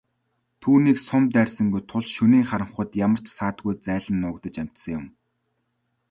Түүнийг сум дайрсангүй тул шөнийн харанхуйд ямар ч саадгүй зайлан нуугдаж амжсан юм.